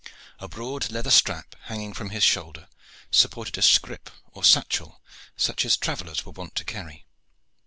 A broad leather strap hanging from his shoulder supported a scrip or satchel such as travellers were wont to carry.